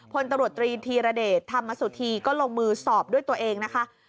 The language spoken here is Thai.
พลตำรวจตรีธีรเดชธรรมสุธีก็ลงมือสอบด้วยตัวเองนะคะ